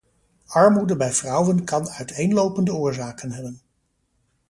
Armoede bij vrouwen kan uiteenlopende oorzaken hebben.